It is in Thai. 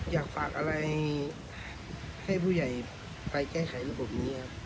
อยากฝากอะไรให้ผู้ใหญ่ไปแก้ไขระบบนี้ครับ